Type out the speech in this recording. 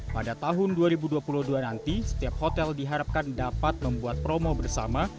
pada tahun dua ribu dua puluh dua nanti setiap hotel diharapkan dapat membuat promo bersama